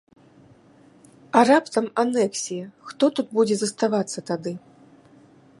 А раптам анексія, хто тут будзе заставацца тады?